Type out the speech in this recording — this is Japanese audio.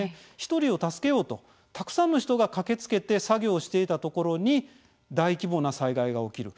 １人を助けようとたくさんの人が駆けつけて作業していたところに大規模な災害が起きる。